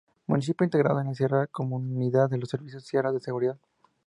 Municipio integrado en la mancomunidad de servicios Sierra de Segura.